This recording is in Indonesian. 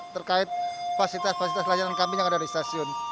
terkait fasilitas fasilitas layanan kami yang ada di stasiun